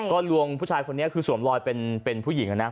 ก็ลวงผู้ชายคนนี้คือสวมรอยเป็นผู้หญิงนะ